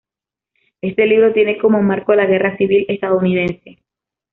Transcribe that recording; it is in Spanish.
Este libro tiene como marco la Guerra Civil Estadounidense.